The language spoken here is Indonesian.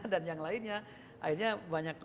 dan yang lainnya akhirnya banyak